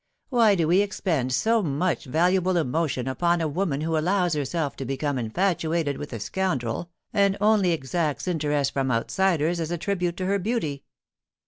' Why do we expend so much valuable emotion upon a woman who allows herself to become infatuated with a scoundrel, and only exacts interest fiom outsiders as a tribute to her beauty?